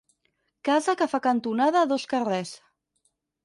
Casa que fa cantonada a dos carrers.